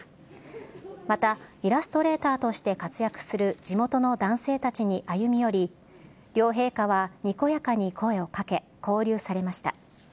また、イラストレーターとして活躍する地元の男性たちに歩みより、両陛下はにこやかに声をかけ、交流されました。